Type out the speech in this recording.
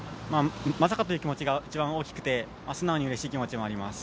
まさかという気持ちが一番大きくて、素直に嬉しい気持ちもあります。